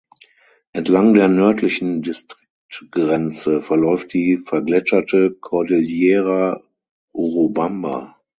Entlang der nördlichen Distriktgrenze verläuft die vergletscherte Cordillera Urubamba.